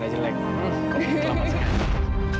kau juga kelam aja